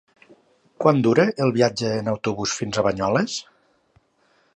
Quant dura el viatge en autobús fins a Banyoles?